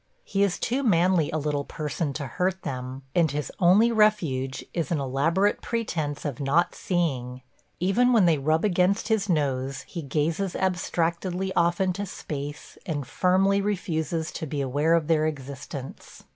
He is too manly a little person to hurt them, and his only refuge is an elaborate pretence of not seeing; even when they rub against his nose he gazes abstractedly off into space and firmly refuses to be aware of their existence.